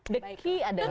the key adalah your mind